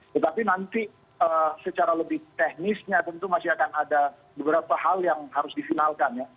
tetapi nanti secara lebih teknisnya tentu masih akan ada beberapa hal yang harus difinalkan ya